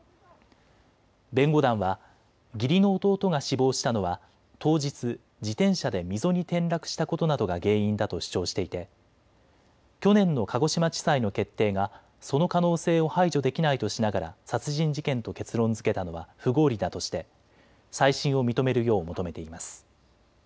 弁護団は義理の弟が死亡したのは当日、自転車で溝に転落したことなどが原因だと主張していて去年の鹿児島地裁の決定がその可能性を排除できないとしながら殺人事件と結論づけたのは不合意だとして再審を認めるよう求めています。